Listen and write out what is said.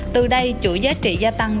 từ đây chuỗi giá trị gia tăng